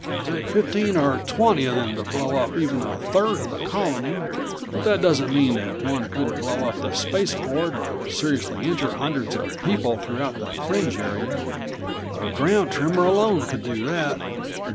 Take fifteen or twenty of them to blow up even a third of the Colony. But that doesn't mean that one couldn't blow up the spaceport, or seriously injure hundreds of people throughout the fringe area. The ground tremor alone could do that.